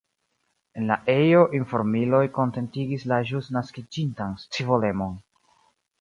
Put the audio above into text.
En la ejo informiloj kontentigis la ĵus naskiĝintan scivolemon.